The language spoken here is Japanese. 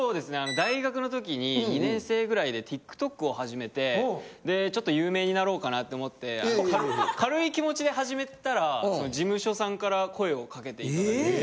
大学の時に２年生ぐらいでＴｉｋＴｏｋを始めてでちょっと有名になろうかなって思って軽い気持ちで始めたら事務所さんから声をかけていただいて。